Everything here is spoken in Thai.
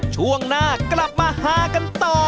ช่วงหน้ากลับมาฮากันต่อ